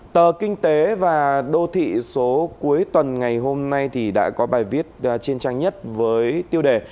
tờ kinh tế và đô thị số cuối tuần ngày hôm nay đã có bài viết trên trang nhất với tiêu đề